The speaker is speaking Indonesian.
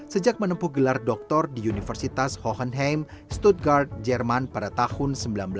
sejak menempuh gelar doktor di universitas hohenheim stuttgart jerman pada tahun seribu sembilan ratus delapan puluh tujuh